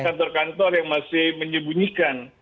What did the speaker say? kantor kantor yang masih menyembunyikan